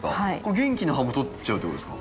元気な葉も取っちゃうってことですか？